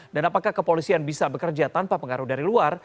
dan apakah kepolisian bisa bekerja tanpa pengaruh dari luar